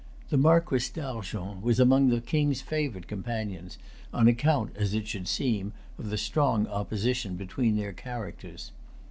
The Marquess D'Argens was among the King's favorite companions, on account, as it should seem, of the strong opposition between their characters.